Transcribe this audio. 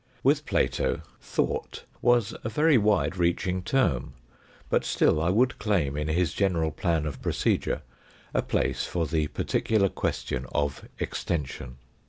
With Plato " thought " was a very wide reaching term, but still I would claim in his general plan of procedure a place for the particular question of extension.